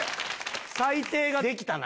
最低ができたな。